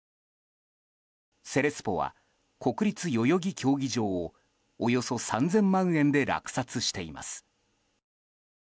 セレスポは国立代々木競技場をおよそ３０００万円で落札しています。